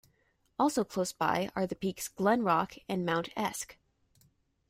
Also close by are the peaks Glen Rock and Mount Esk.